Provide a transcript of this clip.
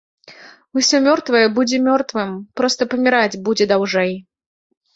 Усё мёртвае будзе мёртвым, проста паміраць будзе даўжэй.